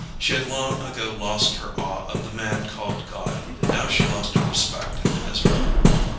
She had long ago lost her awe of the man called god; now she lost her respect as well.